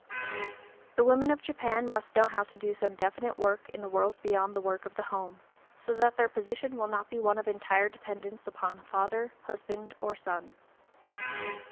The women of Japan must know how to do some definite work in the world beyond the work of the home, so that their position will not be one of entire dependence upon father, husband, or son.